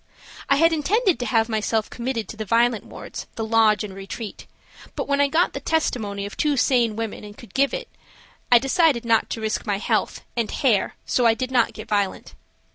I had intended to have myself committed to the violent wards, the Lodge and Retreat, but when I got the testimony of two sane women and could give it, I decided not to risk my health–and hair–so I did not get violent.